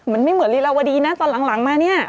มันไม่เหมือนลีลาวดีนะตอนหลังมาเนี่ย